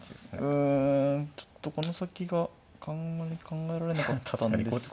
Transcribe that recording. ちょっとこの先があんまり考えられなかったんですが。